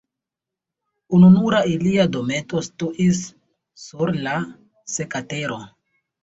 Ununura ilia dometo situis sur la seka tero.